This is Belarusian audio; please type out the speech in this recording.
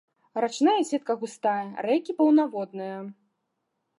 Рачная сетка густая, рэкі паўнаводныя.